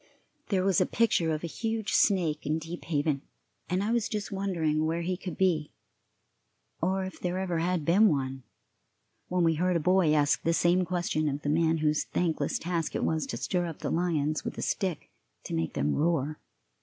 There was a picture of a huge snake in Deep Haven, and I was just wondering where he could be, or if there ever had been one, when we heard a boy ask the same question of the man whose thankless task it was to stir up the lions with a stick to make them roar.